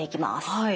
はい。